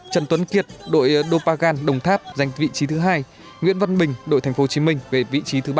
trần tuấn kiệt đội đô pa gan đồng tháp giành vị trí thứ hai nguyễn văn bình đội thành phố hồ chí minh về vị trí thứ ba